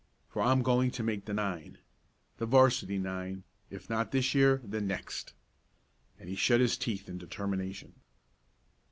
For I'm going to make the nine! The 'varsity nine; if not this year, then next!" and he shut his teeth in determination.